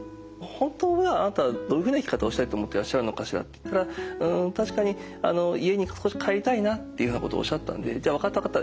「本当はあなたはどういうふうな生き方をしたいと思っていらっしゃるのかしら？」って言ったら「うん確かに家に帰りたいな」っていうふうなことをおっしゃったんで「じゃあ分かった分かった。